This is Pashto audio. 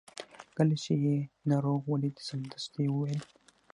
کله چې یې ناروغ ولید سمدستي یې وویل.